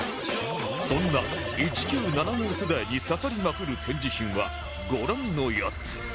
そんな１９７５世代に刺さりまくる展示品はご覧の４つ